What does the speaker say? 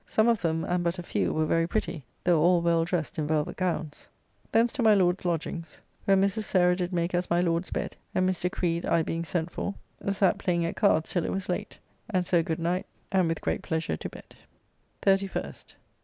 Some of them, and but a few, were very pretty; though all well dressed in velvet gowns. Thence to my Lord's lodgings, where Mrs. Sarah did make us my Lord's bed, and Mr. Creed I being sent for, sat playing at cards till it was late, and so good night, and with great pleasure to bed. 31st.